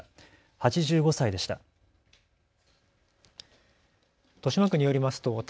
８５歳でした。